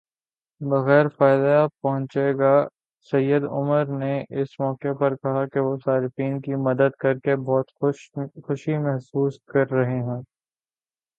بغیر فائدہ پہنچے گا سید عمر نے اس موقع پر کہا کہ وہ صارفین کی مدد کرکے بہت خوشی محسوس کر رہے ہیں